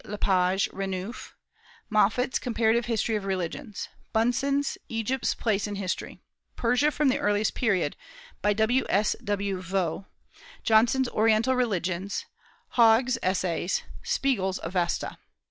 Le Page Renouf; Moffat's Comparative History of Religions; Bunsen's Egypt's Place in History; Persia, from the Earliest Period, by W. S. W. Vaux; Johnson's Oriental Religions; Haug's Essays; Spiegel's Avesta.